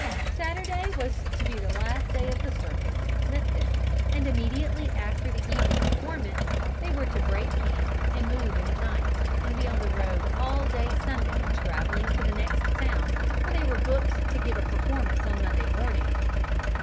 Saturday was to be the last day of the circus in Smithville and immediately after the evening performance they were to break camp and move in the night, and be on the road all day Sunday traveling to the next town, where they were booked to give a performance on Monday morning.